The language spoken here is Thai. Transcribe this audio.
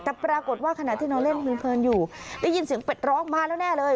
แต่ปรากฏว่าขณะที่นอนเล่นเพลินอยู่ได้ยินเสียงเป็ดร้องมาแล้วแน่เลย